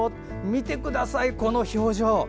見てください、この表情。